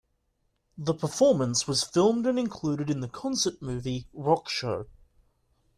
The performance was filmed and included in the concert movie Rockshow.